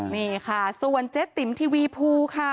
นี่ค่ะส่วนเจ๊ติ๋มทีวีภูค่ะ